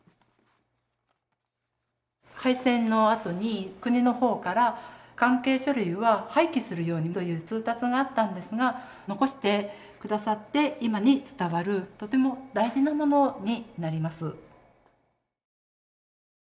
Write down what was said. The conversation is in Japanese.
敗戦のあとに国の方から関係書類は廃棄するようにという通達があったんですが残してくださって今に伝わるとても大事なものになります。